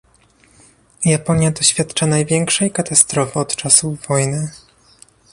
Japonia doświadcza największej katastrofy od czasów wojny